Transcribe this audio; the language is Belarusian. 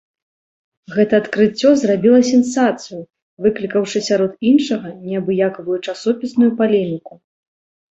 Гэта адкрыццё зрабіла сенсацыю, выклікаўшы сярод іншага, неабыякую часопісную палеміку.